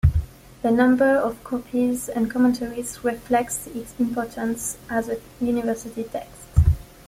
The number of copies and commentaries reflects its importance as a university text.